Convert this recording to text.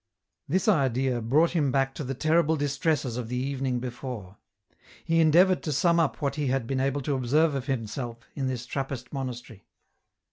This idea brought him back to the terrible distresses ot the evening before. He endeavoured to sum up what he had been able to observe of himself in this Trappist monastery.